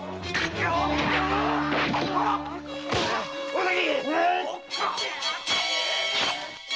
尾崎！